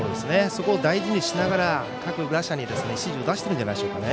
そこを大事にしながら各打者に指示を出しているんじゃないでしょうか。